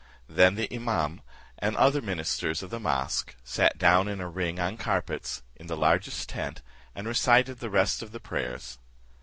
Then the imam, and other ministers of the mosque, sat down in a ring on carpets, in the largest tent, and recited the rest of the prayers.